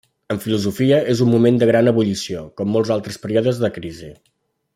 En filosofia, és un moment de gran ebullició, com molts altres períodes de crisi.